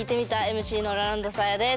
ＭＣのラランドサーヤです。